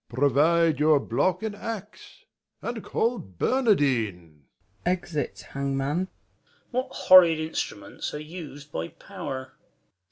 Provide your block and axe; And call Bei'nardiue ! [Exit Hangman. Duke. What horrid instruments are us'd by pow'r